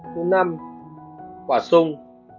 thứ năm quả sung